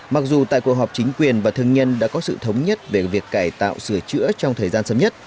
mặc dù tại cuộc họp chính quyền và thương nhân đã có sự thống nhất về việc cải tạo sửa chữa trong thời gian sớm nhất